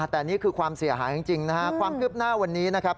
แต่นี่คือความเสียหายจริงนะครับความคืบหน้าวันนี้นะครับ